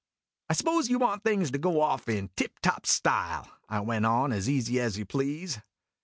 o " I s'pose you want things to go off in tip top style?' I went on as easy as you please.